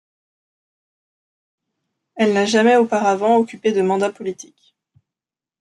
Elle n'a jamais auparavant occupé de mandat politique.